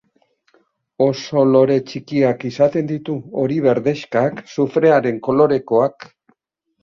Oso lore txikiak izaten ditu, hori-berdexkak, sufrearen kolorekoak.